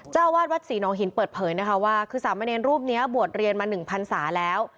เจ้าอาวาสวัดศรีน้องหินเปิดเผยนะคะว่าคือสามเณรรูปนี้บวชเรียนมา๑พันศาแล้ว